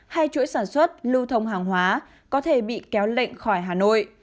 hai chuỗi sản xuất lưu thông hàng hóa có thể bị kéo lệnh khỏi hà nội